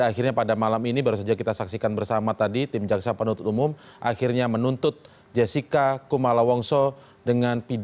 karena sudah cukup